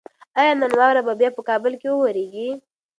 ایا واوره به نن بیا په کابل کې وورېږي؟